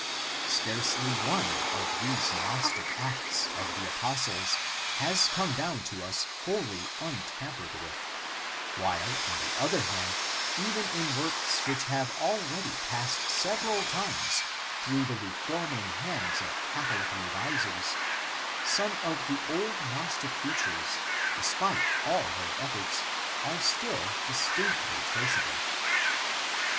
Scarcely one of these Gnostic Acts of the Apostles has come down to us wholly untampered with; while, on the other hand, even in works which have already passed several times through the reforming hands of Cath olic revisers, some of the old Gnostic features, despite all their efforts, are still distinctly traceable.